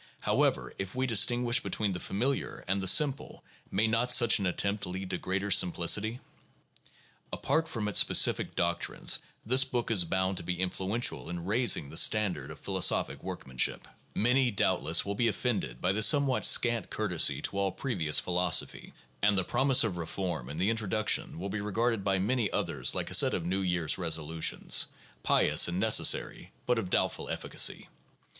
However, if we distinguish between the familiar and the simple, may not such an attempt lead to greater simplicity ? Apart from its specific doctrines this book is bound to be influen tial in raising the standard of philosophic workmanship. Many, 214 THE JOURNAL OF PHILOSOPHY doubtless, will be offended by the somewhat scant courtesy to all previous philosophy; and the promises of reform in the introduction will be regarded by many others like a set of New Year's resolutions, pious and necessary, but of doubtful efficacy.